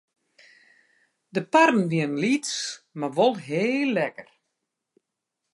De parren wienen lyts mar wol heel lekker.